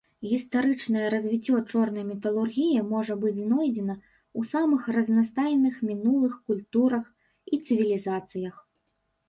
Гістарычнае развіццё чорнай металургіі можа быць знойдзена ў самых разнастайных мінулых культурах і цывілізацыях.